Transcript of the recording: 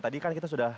tadi kan kita sudah